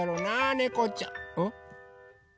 ねこちゃん？